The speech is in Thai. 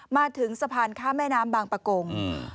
มาถึงสะพานข้ามแม่น้ำบางประกง